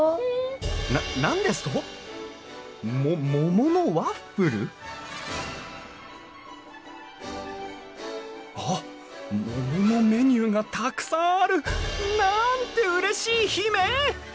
何ですと！？も桃のワッフル？あっ桃のメニューがたくさんある！なんてうれしい悲鳴！